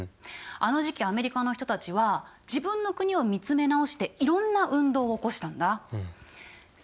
あの時期アメリカの人たちは自分の国を見つめ直していろんな運動を起こしたんだ。